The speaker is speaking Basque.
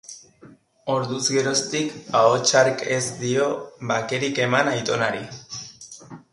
Orduz geroztik ahots hark ez dio bakerik eman aitonari.